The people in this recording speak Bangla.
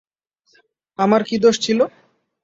আমার কি দোষ ছিল?